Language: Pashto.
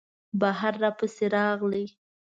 بهر را پسې راغی.